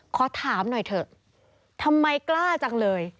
ขอถามหน่อยเถอะทำไมกล้าจังเลย